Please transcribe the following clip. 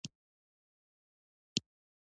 هېواد د عزت بنسټ دی.